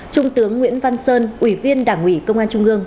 trung tướng nguyễn văn sơn ủy viên đảng ủy công an trung ương